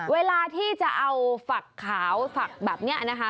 เวลาที่จะเอาฝักขาวฝักแบบนี้นะคะ